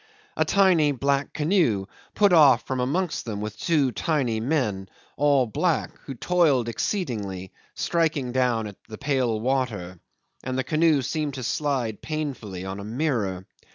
A tiny black canoe put off from amongst them with two tiny men, all black, who toiled exceedingly, striking down at the pale water: and the canoe seemed to slide painfully on a mirror.